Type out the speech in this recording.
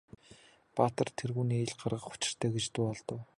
Баатар тэргүүнээ ил гаргах учиртай гэж дуу алдав.